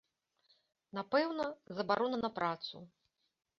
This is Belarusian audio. Напэўна, забарона на працу.